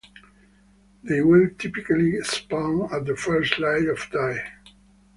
They will typically spawn at the first light of day.